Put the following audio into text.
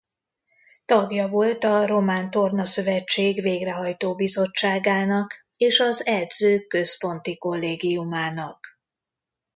Tagja volt a Román Torna Szövetség végrehajtó bizottságának és az Edzők Központi Kollégiumának.